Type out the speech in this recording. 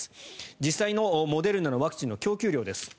実際のモデルナのワクチンの供給量です。